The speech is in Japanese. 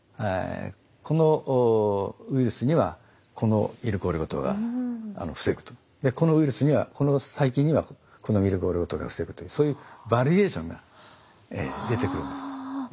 このウイルスにはこのミルクオリゴ糖が防ぐとこのウイルスにはこの細菌にはこのミルクオリゴ糖が防ぐというそういうバリエーションが出てくるんです。